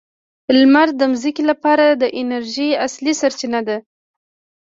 لمر د ځمکې لپاره د انرژۍ اصلي سرچینه ده.